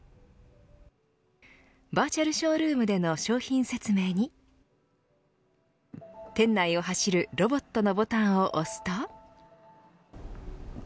バーチャルショールームでの商品説明に店内を走るロボットのボタンを押すと。